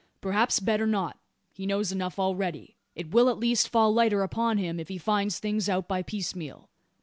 "Perhaps better not. He knows enough already. It will at least fall lighter upon him if he find things out by piecemeal.